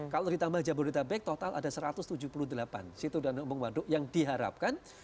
kalau ditambah jabodetabek total ada satu ratus tujuh puluh delapan situ danau embung waduk yang diharapkan